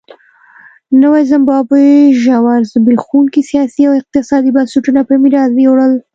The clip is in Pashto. نوې زیمبابوې ژور زبېښونکي سیاسي او اقتصادي بنسټونه په میراث یووړل.